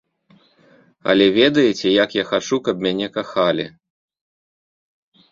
Але ведаеце, як я хачу, каб мяне кахалі?